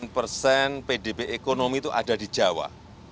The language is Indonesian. delapan persen pdb ekonomi itu ada di jawa